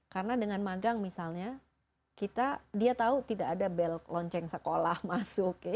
karena dengan magang misalnya dia tahu tidak ada bel lonceng sekolah masuk